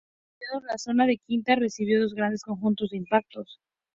En este período, la zona de las Quintas recibió dos grandes conjuntos de impactos.